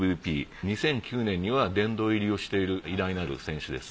２００９年には殿堂入りをしている偉大なる選手です。